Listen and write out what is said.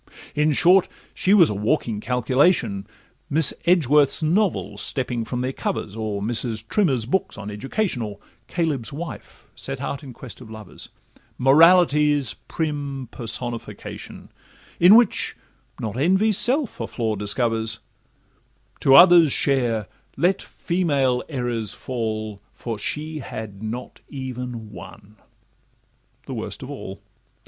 In short, she was a walking calculation, Miss Edgeworth's novels stepping from their covers, Or Mrs. Trimmer's books on education, Or 'Coelebs' Wife' set out in quest of lovers, Morality's prim personification, In which not Envy's self a flaw discovers; To others' share let 'female errors fall,' For she had not even one—the worst of all.